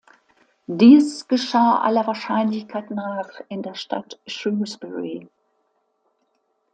Dies geschah aller Wahrscheinlichkeit nach in der Stadt Shrewsbury.